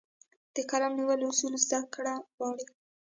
د قلم نیولو اصول زده کړه غواړي.